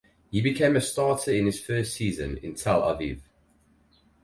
He became a starter in his first season in Tel Aviv.